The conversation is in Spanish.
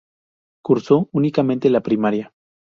Cursó únicamente la primaria.